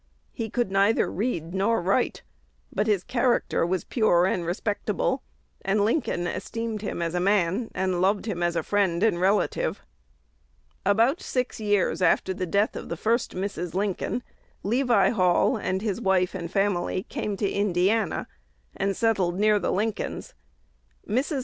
He could neither read nor write; but his character was pure and respectable, and Lincoln esteemed him as a man, and loved him as a friend and relative. About six years after the death of the first Mrs. Lincoln, Levi Hall and his wife and family came to Indiana, and settled near the Lincolns. Mrs.